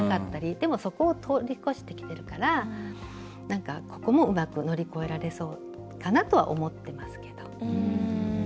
でもそこを通り越してきてるからなんか、ここもうまく乗り越えられそうかなとは思ってますけど。